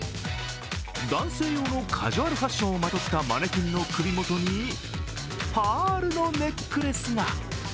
男性用のカジュアルファッションをまとったマネキンの首元にパールのネックレスが。